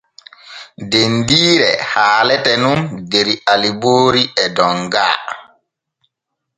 Dendiire haalete nun der Aliboori e Donga.